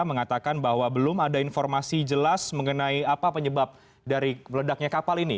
mengatakan bahwa belum ada informasi jelas mengenai apa penyebab dari meledaknya kapal ini